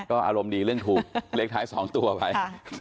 อารมณ์ดีเรื่องถูกเลขท้าย๒ตัวไป